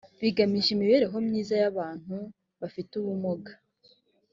bigamije imibereho myiza y’abantu bafite ubumuga